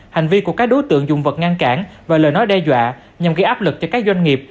hành vi của các đối tượng dùng vật ngăn cản và lời nói đe dọa nhằm gây áp lực cho các doanh nghiệp